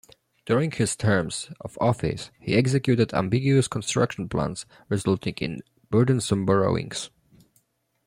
During his terms of office he executed ambitious construction plans resulting in burdensome borrowings.